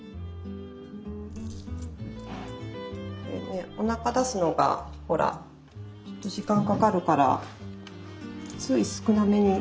これねおなか出すのがほらちょっと時間かかるからつい少なめに。